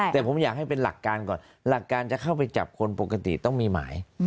แต่ผมอยากให้เป็นหลักการก่อนหลักการจะเข้าไปจับคนปกติต้องมีหมาย